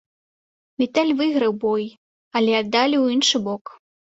Віталь выйграў бой, але аддалі ў іншы бок.